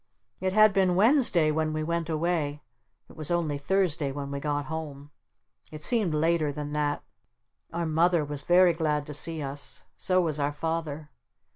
It had been Wednesday when we went away. It was only Thursday when we got home. It seemed later than that. Our Mother was very glad to see us. So was our Father.